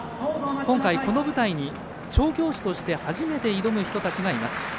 今回、この舞台に調教師として初めて挑む人たちがいます。